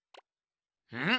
うん？